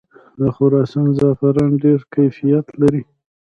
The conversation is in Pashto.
د خراسان زعفران ډیر کیفیت لري.